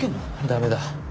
ダメだ。